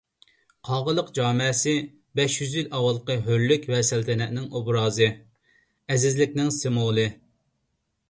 قاغىلىق جامەسى بەش يۈز يىل ئاۋۋالقى ھۆرلۈك ۋە سەلتەنەتنىڭ ئوبرازى، ئەزىزلىكنىڭ سىمۋولى.